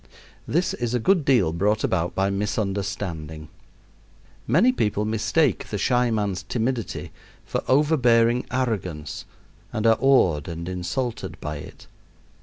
This is a good deal brought about by misunderstanding. Many people mistake the shy man's timidity for overbearing arrogance and are awed and insulted by it.